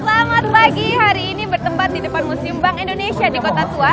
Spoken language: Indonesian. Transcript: selamat pagi hari ini bertempat di depan museum bank indonesia di kota tua